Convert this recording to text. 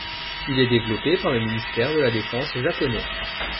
Il est développé par le ministère de la Défense japonais.